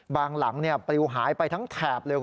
หลังปลิวหายไปทั้งแถบเลย